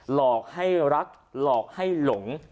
หลอกให้รักหลอกให้หลง